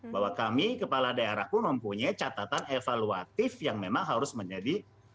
bahwa kami kepala daerah pun mempunyai catatan evaluatif yang memang harus menjadi